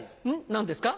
何ですか？